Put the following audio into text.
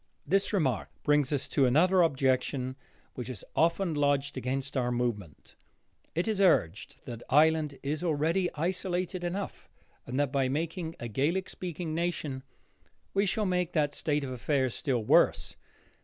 This remark brings us to another objection which is often lodged against our movement. It is urged that Ireland is already isolated enough, and that by making it a Gaelic speaking nation, we shall make that state of affairs still worse.